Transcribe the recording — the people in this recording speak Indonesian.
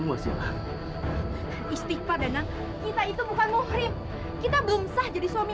bisa mengambil keganti sama wasila